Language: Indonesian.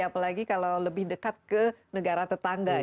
apalagi kalau lebih dekat ke negara tetangga